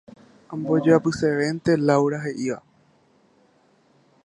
Ambojoapysevénte Laura he'íva.